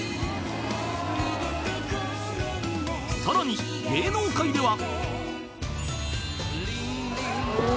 ［さらに芸能界では］